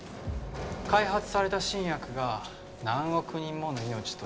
「開発された新薬が何億人もの命と」